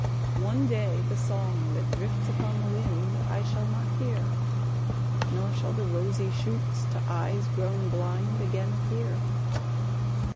One day the song that drifts upon the wind, I shall not hear; Nor shall the rosy shoots to eyes grown blind Again appear.